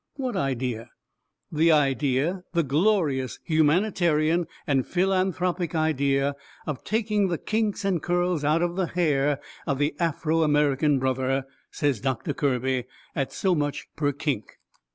"What idea?" "The idea the glorious humanitarian and philanthropic idea of taking the kinks and curls out of the hair of the Afro American brother," says Doctor Kirby, "at so much per kink."